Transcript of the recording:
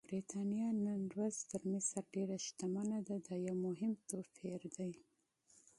برېټانیا نن ورځ تر مصر ډېره شتمنه ده، دا یو مهم توپیر دی.